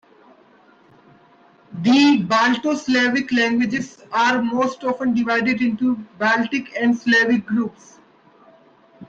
The Balto-Slavic languages are most often divided into Baltic and Slavic groups.